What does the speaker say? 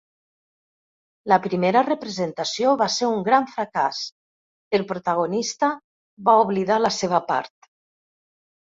La primera representació va ser un gran fracàs; el protagonista va oblidar la seva part.